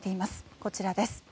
こちらです。